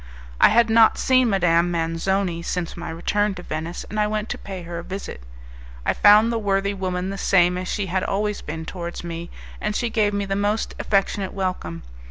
I had not seen Madame Manzoni since my return to Venice, and I went to pay her a visit. I found the worthy woman the same as she had always been towards me, and she gave me the most affectionate welcome.